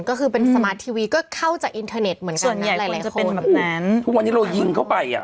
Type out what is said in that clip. ก็คือเป็นสมาร์ททีวีก็เข้าจากอินเทอร์เน็ตเหมือนกันส่วนใหญ่หลายหลายคนแบบนั้นทุกวันนี้เรายิงเข้าไปอ่ะ